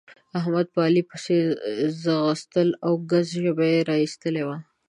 احمد په علي پسې ځغستل او ګز ژبه يې را اېستلې وه.